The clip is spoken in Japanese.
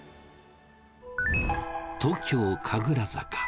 東京・神楽坂。